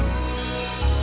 gitu deh iya